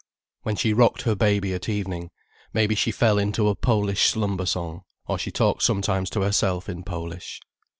When she rocked her baby at evening, maybe she fell into a Polish slumber song, or she talked sometimes to herself in Polish.